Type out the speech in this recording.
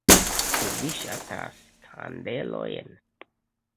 Ĉu vi ŝatas kandelojn?